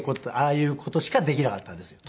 ああいう事しかできなかったんですよ